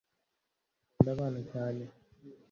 akunda abana cyane